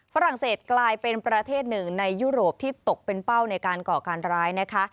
ฝรั่งเศสกลายเป็นประเทศหนึ่งในยุโรปที่ตกเป็นเป้าในการก่อการร้ายนะคะ